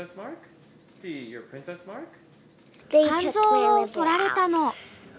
肝臓を取られたの。